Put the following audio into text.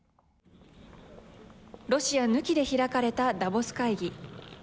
ロシア抜きで開かれたダボス会議。